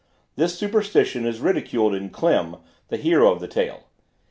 This superstition is ridiculed in Klim, the hero of the tale.